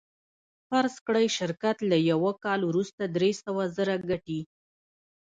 فرض کړئ شرکت له یوه کال وروسته درې سوه زره ګټي